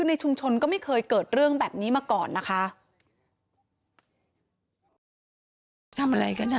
อันนี้ผู้หญิงบอกว่าช่วยด้วยหนูไม่ได้เป็นอะไรกันเขาจะปั้มหนูอะไรอย่างนี้